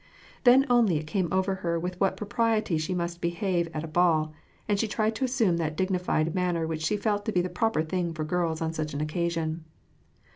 Then only it came over lier with what propriety she must behave at a b^ill, and she tried to assume tliat dignified manner which she felt to be the proper thing for girls on such an occasion.